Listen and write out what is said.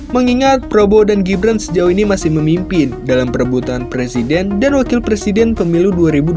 mengingat prabowo dan gibran sejauh ini masih memimpin dalam perebutan presiden dan wakil presiden pemilu dua ribu dua puluh